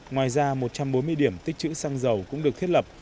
ngoài ra một trăm bốn mươi điểm tích chữ xăng dầu cũng được thiết lập